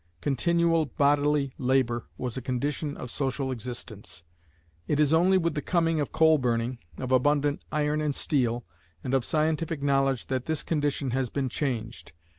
Continual bodily labour was a condition of social existence. It is only with the coming of coal burning, of abundant iron and steel, and of scientific knowledge that this condition has been changed.